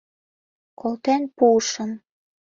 Колтен пуышым.